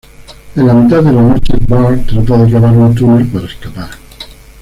En la mitad de la noche, Bart trata de cavar un túnel para escapar.